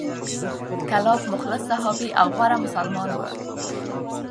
کلاب مخلص صحابي او غوره مسلمان و،